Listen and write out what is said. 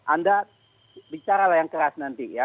anda bicara lah yang keras nanti ya